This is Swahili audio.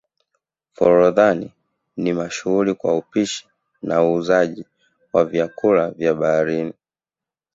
forodhani ni mashuhuri kwa upishi na uuzaji wa vyakupa vya bahari